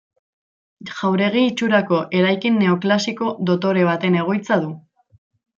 Jauregi itxurako eraikin neoklasiko dotore baten egoitza du.